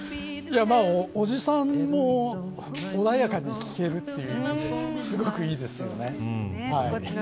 おじさんも穏やかに聴けるというすごくいいですよね。